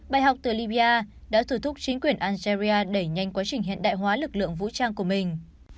đã thử thúc chính quyền algeria đẩy nhanh quá trình hiện đại hóa lực lượng vũ trang của mình